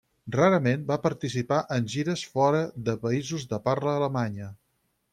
Rarament va participar en gires fora dels països de parla alemanya.